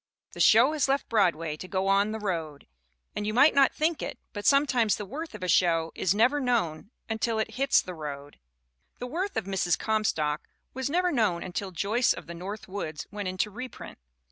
The show has left Broadway to go on "the road." And, you might not think it, but sometimes the worth of a show is never known until it hits "the road." The worth of Mrs. Comstock was never known until Joyce of the North Woods went into reprint.